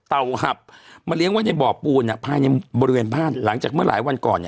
เต่าหับมาเลี้ยงไว้ในบ่อปูนพายเข้ายังเหมือนบ้านหลังจากเมื่อหลายวันก่อน